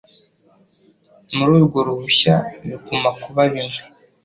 muri urwo ruhushya biguma kuba bimwe